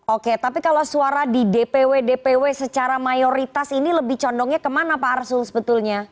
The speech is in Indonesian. oke tapi kalau suara di dpw dpw secara mayoritas ini lebih condongnya kemana pak arsul sebetulnya